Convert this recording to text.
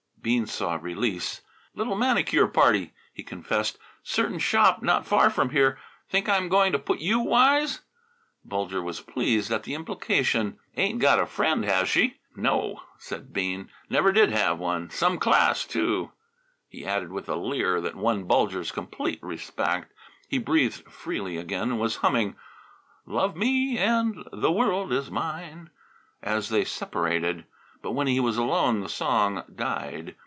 Bean saw release. "Little manicure party," he confessed; "certain shop not far from here. Think I'm going to put you wise?" Bulger was pleased at the implication. "Ain't got a friend, has she?" "No," said Bean. "Never did have one. Some class, too," he added with a leer that won Bulger's complete respect. He breathed freely again and was humming, "Love Me and the World Is Mine," as they separated. But when he was alone the song died.